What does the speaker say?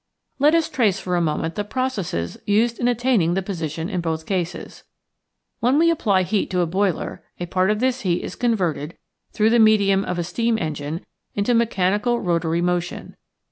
Let us trace for a moment the processes used in attaining the position in both cases. When we apply heat to a boiler, a part of this heat is con verted, through the medium of a steam en gine, into mechanical rotary motion.